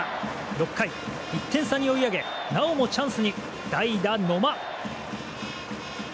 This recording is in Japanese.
６回、１点差に追い上げなおもチャンスに代打、野間。